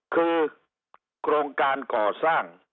คือโครงการก่อสร้าง